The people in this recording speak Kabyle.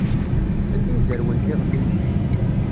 Anda ay zerwent iḍelli?